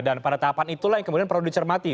dan pada tahapan itulah yang kemudian perlu dicermati